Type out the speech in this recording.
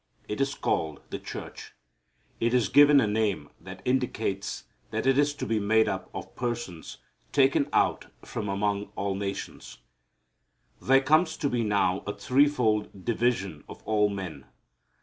It is called the church. It is given a name that indicates that it is to be made up of persons taken out from among all nations. There comes to be now a three fold division of all men.